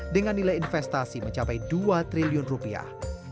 dengan nilai investasi mencapai dua triliun rupiah